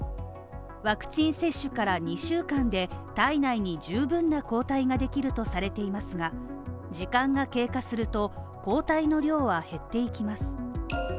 ワクチン接種から２週間で体内に十分な抗体ができるとされていますが時間が経過すると抗体の量は減っていきます。